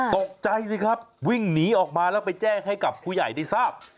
ตกใจสิครับวิ่งหนีออกมาแล้วไปแจ้งให้กับผู้ใหญ่ได้ทราบ